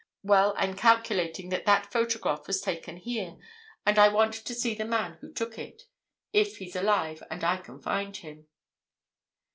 Well, I'm calculating that that photograph was taken here, and I want to see the man who took it—if he's alive and I can find him."